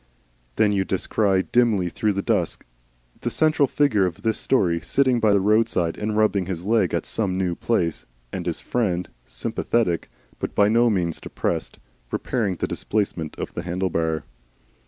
Then you descry dimly through the dusk the central figure of this story sitting by the roadside and rubbing his leg at some new place, and his friend, sympathetic (but by no means depressed), repairing the displacement of the handle bar.